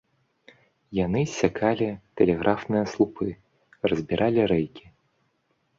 Яны ссякалі тэлеграфныя слупы, разбіралі рэйкі.